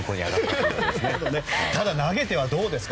ただ投げてはどうですか。